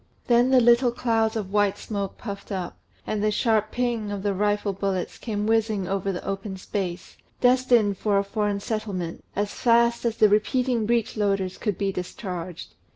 Then the little clouds of white smoke puffed up, and the sharp "ping" of the rifle bullets came whizzing over the open space, destined for a foreign settlement, as fast as the repeating breech loaders could be discharged.